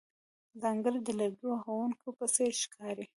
ځانګړی د لرګیو وهونکو په څېر ښکارې.